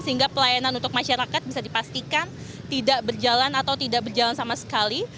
sehingga pelayanan untuk masyarakat bisa dipastikan tidak berjalan atau tidak berjalan sama sekali